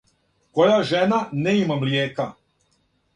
Која жена не има млијека.